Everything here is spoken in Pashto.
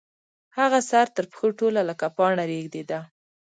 هغه سر تر پښو ټوله لکه پاڼه رېږدېده.